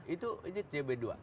itu cb dua